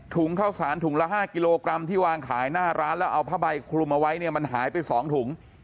ข้าวสารถุงละ๕กิโลกรัมที่วางขายหน้าร้านแล้วเอาผ้าใบคลุมเอาไว้เนี่ยมันหายไป๒ถุง